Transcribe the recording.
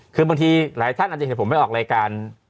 คือบางทีหลายท่านอาจจะเห็นผมไปออกรายการ